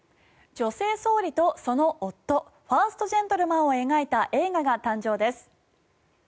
女性総理と、その夫ファーストジェントルマンを描いた映画が誕生です。